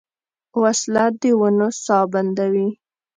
وسله د ونو ساه بندوي